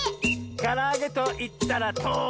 「からあげといったらとり！」